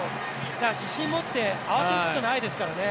自信を持って慌てることないですからね。